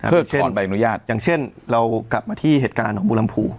เพื่อถอนใบอนุญาตอย่างเช่นเรากลับมาที่เหตุการณ์ของบูลำพู